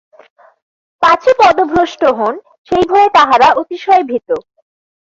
পাছে পদভ্রষ্ট হন, সেই ভয়ে তাঁহারা অতিশয় ভীত।